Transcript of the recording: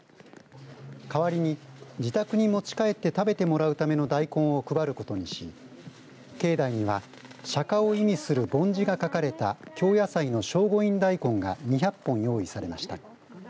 かわりに自宅に持ち帰って食べてもらうための大根を配ることにし境内には、釈迦を意味するぼん字が書かれた京野菜の聖護院大根が２００本用意されました。